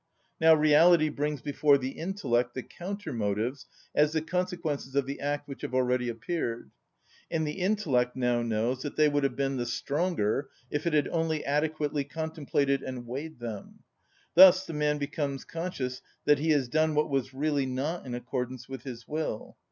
Now reality brings before the intellect the counter‐motives as the consequences of the act which have already appeared; and the intellect now knows that they would have been the stronger if it had only adequately contemplated and weighed them. Thus the man becomes conscious that he has done what was really not in accordance with his will.